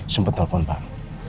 sempet telfon pak